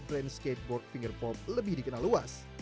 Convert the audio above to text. brand skateboard finger pop lebih dikenal luas